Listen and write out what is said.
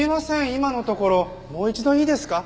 今のところもう一度いいですか？